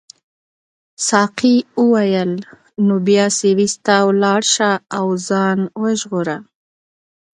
ساقي وویل نو بیا سویس ته ولاړ شه او ځان وژغوره.